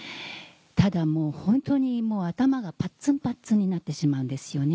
だたもう本当に頭がパッツンパッツンになってしまうんですよね。